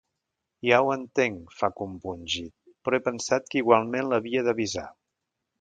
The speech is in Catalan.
Ja ho entenc —fa, compungit—, però he pensat que igualment l'havia d'avisar.